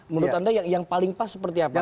menurut anda yang paling pas seperti apa